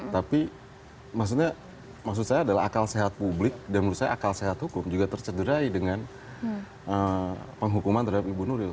tapi maksudnya maksud saya adalah akal sehat publik dan menurut saya akal sehat hukum juga tercederai dengan penghukuman terhadap ibu nuril